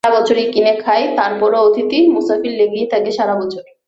সারা বছরই কিনে খাই, তার পরও অতিথি-মুসাফির লেগেই থাকে সারা বছর।